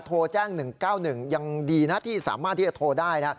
โทรแจ้ง๑๙๑ยังดีนะที่สามารถที่จะโทรได้นะ